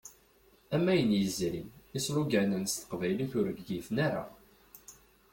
Am ayen yezrin, isloganen s teqbaylit ur ggiten ara.